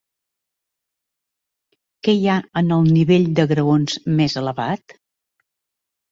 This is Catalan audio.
Què hi ha en el nivell de graons més elevat?